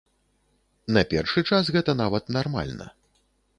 На першы час гэта нават нармальна.